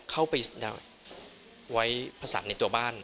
เข้าไปไว้ผสานในตัวบ้าน